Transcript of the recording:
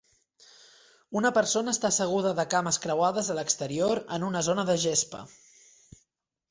Una persona està asseguda de cames creuades a l'exterior en una zona de gespa.